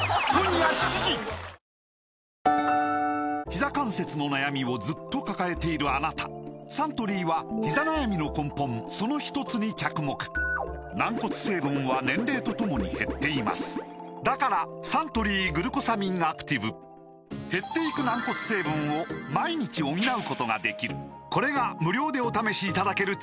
ひざ関節の悩みをずっと抱えているあなたサントリーはひざ悩みの根本そのひとつに着目軟骨成分は年齢とともに減っていますだからサントリー「グルコサミンアクティブ」減っていく軟骨成分を毎日補うことができるこれが無料でお試しいただけるチャンスです